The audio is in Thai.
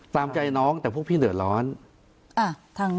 ตามใจน้องแต่พวกพี่เดือดร้อน